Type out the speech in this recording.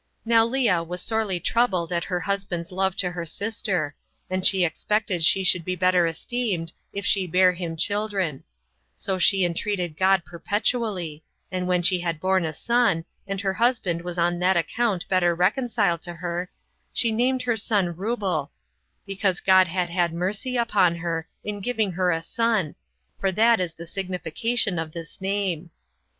Now Lea was sorely troubled at her husband's love to her sister; and she expected she should be better esteemed if she bare him children: so she entreated God perpetually; and when she had borne a son, and her husband was on that account better reconciled to her, she named her son Reubel, because God had had mercy upon her, in giving her a son, for that is the signification of this name.